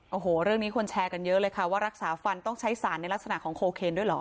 โอ้โหเรื่องนี้คนแชร์กันเยอะเลยค่ะว่ารักษาฟันต้องใช้สารในลักษณะของโคเคนด้วยเหรอ